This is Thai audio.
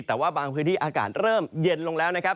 แต่ว่าบางพื้นที่อากาศเริ่มเย็นลงแล้วนะครับ